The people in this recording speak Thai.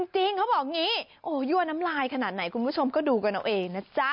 จริงเขาบอกอย่างนี้โอ้ยั่วน้ำลายขนาดไหนคุณผู้ชมก็ดูกันเอาเองนะจ๊ะ